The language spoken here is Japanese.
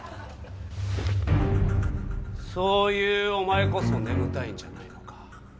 そういうお前こそ眠たいんじゃないのか？